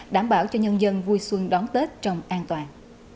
đảm bảo cho nhân dân vui xuân đón tết trong an toàn